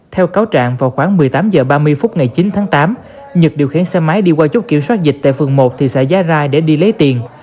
theo cáo trạng vào khoảng một mươi tám h ba mươi phút ngày chín tháng tám nhật điều khiển xe máy đi qua chốt kiểm soát dịch tại phường một thị xã giá rai để đi lấy tiền